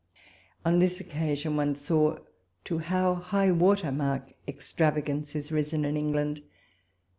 On this occasion one saw to how high water mark extravagance is risen in England.